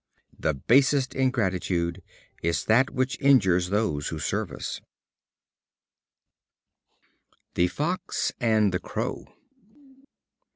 The basest ingratitude is that which injures those who serve us. The Fox and the Crow.